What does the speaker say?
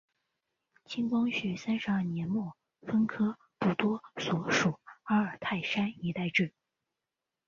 清光绪三十二年末分科布多所属阿尔泰山一带置。